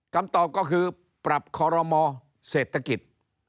คำตอบก็คือปรับคอรมอเศรษฐกิจ